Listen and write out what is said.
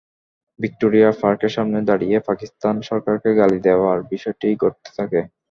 Victoria পার্কের সামনে দাঁড়িয়ে পাকিস্তান সরকারকে গালি দেওয়ার বিষয়টি ঘটতে থাকে।